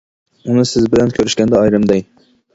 ئۇنى سىز بىلەن كۆرۈشكەندە ئايرىم دەي.